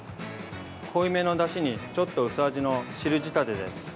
濃いめのだしにちょっと薄味の汁仕立てです。